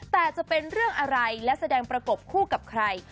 แต่จะเป็นเรื่องอะไรและแสดงประกบคู่กับใคร